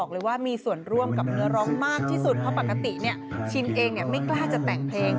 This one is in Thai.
แล้วตอนนี้ชินเองไม่กล้าจะแต่งเพลง